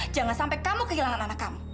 jangan sampai kamu kehilangan anak kamu